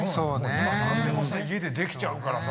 今何でもさ家でできちゃうからさ。